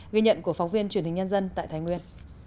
ghi nhận của phóng viên truyền hình nhân dân tại thái nguyên